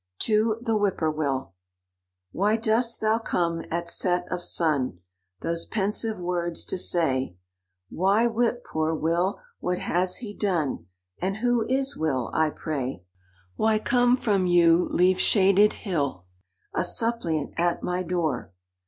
TO THE WHIP POOR WILL. "Why dost thou come at set of sun, Those pensive words to say? Why whip poor Will?—What has he done? And who is Will, I pray? "Why come from you leaf shaded hill, A suppliant at my door?